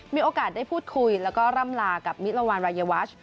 มีโอกาสได้พูดคุยแล้วก็ร่ำลากับมิลวานรายวัช